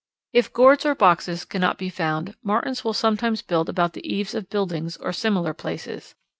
If gourds or boxes cannot be found Martins will sometimes build about the eaves of buildings or similar places.